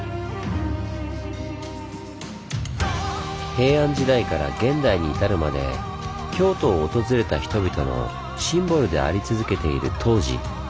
平安時代から現代に至るまで京都を訪れた人々のシンボルであり続けている東寺。